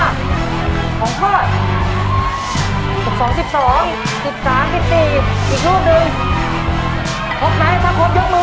สิบสองสิบสองสี่สามสี่สี่อีกรูปหนึ่ง